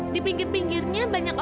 di pinggir pinggirnya banyak orang